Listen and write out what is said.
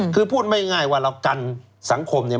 คือพูดง่ายว่าเรากันสังคมเนี่ย